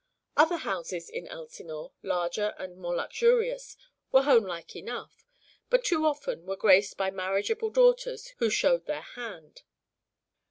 Other houses in Elsinore, larger and more luxurious, were homelike enough, but too often were graced by marriageable daughters, who "showed their hand."